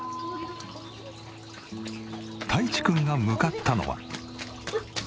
たいちくんが向かったのは。